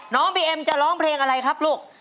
น้องบีเอ็มจะร้องเพลงอะไรครับลูก